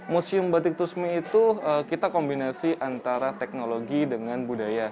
museum batik tusmi itu kita kombinasi antara teknologi dengan budaya